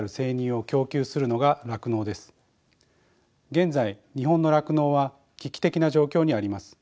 現在日本の酪農は危機的な状況にあります。